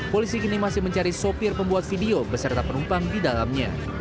polisi kini masih mencari sopir pembuat video beserta penumpang di dalamnya